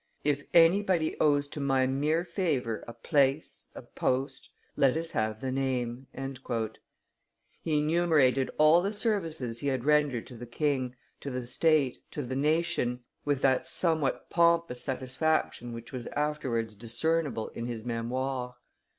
If anybody owes to my mere favor a place, a post, let us have the name." He enumerated all the services he had rendered to the king, to the state, to the nation, with that somewhat pompous satisfaction which was afterwards discernible in his Memoires.